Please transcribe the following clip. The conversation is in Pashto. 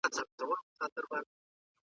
که ته مرسته وکړې نو موږ به کتابتون جوړ کړو.